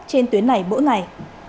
trên tuyến này mỗi ngày